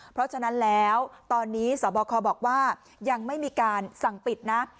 เพราะฉะนั้นแล้วตอนนี้สบคบอกว่ายังไม่มีการสั่งปิดนะ